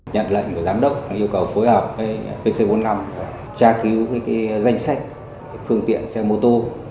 nhận lệnh của giám đốc yêu cầu phối hợp với pc bốn mươi năm tra cứu danh sách phương tiện xe mô tô